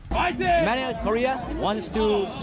ฝ่ายเทียบ